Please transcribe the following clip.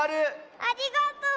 ありがとう！